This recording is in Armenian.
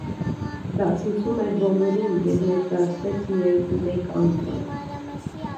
Դա ցնցում էր բոլորին և ներկայացվեց միայն մեկ անգամ։